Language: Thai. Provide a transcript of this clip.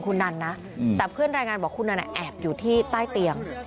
คุณนันนะแต่เพื่อนรายงานบอกคุณนั้นแอบอยู่ที่ใต้เตียง